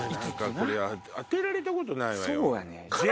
これ当てられたことないわよ。